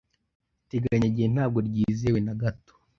Iteganyagihe ntabwo ryizewe na gato.